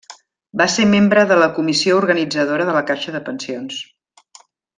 Va ser membre de la comissió organitzadora de la Caixa de Pensions.